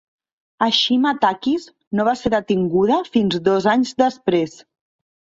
Ashima Takis no va ser detinguda fins dos anys després.